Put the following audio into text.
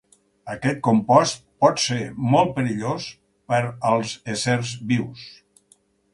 Aquest compost pot ser molt perillós per als éssers vius.